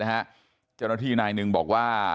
นะฮะเจ้าหน้าที่นายนึงบอกว่า